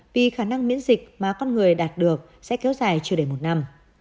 vì khả năng miễn dịch mà con người đạt được sẽ kéo dài chưa đầy một năm